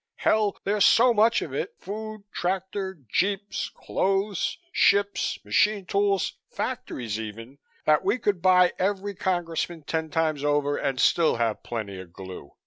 Hell! there's so much of it food, tractors, jeeps, clothes, ships, machine tools, factories even that we could buy every Congressman ten times over and still have plenty of glue.